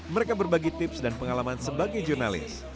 mereka berbagi tips dan pengalaman sebagai jurnalis